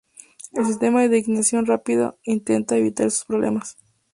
El sistema de ignición rápida intenta evitar estos problemas.